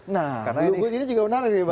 nah keyword ini juga menarik nih bang rizal ya